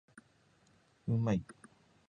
うまい